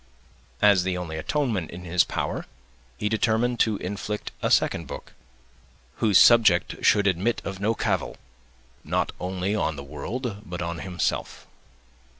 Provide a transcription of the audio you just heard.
As the only atonement in his power, he determined to inflict a second book, whose subject should admit of no cavil, not only on the world, but on himself.